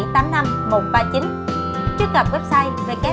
truy cập website